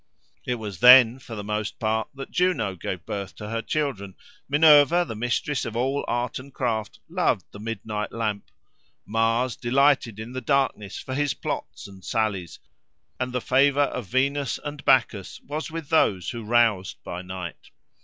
It was then, for the most part, that Juno gave birth to her children: Minerva, the mistress of all art and craft, loved the midnight lamp: Mars delighted in the darkness for his plots and sallies; and the favour of Venus and Bacchus was with those who roused by night.